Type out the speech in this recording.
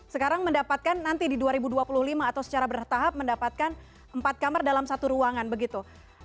sekarang mendapatkan nanti di dua ribu dua puluh lima atau secara bertahap mendapatkan empat kamar dalam satu ruangan begitu